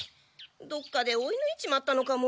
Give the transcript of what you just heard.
どっかで追いぬいちまったのかも？